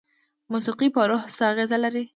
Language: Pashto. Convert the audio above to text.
موسیقي په روح څه اغیزه لري؟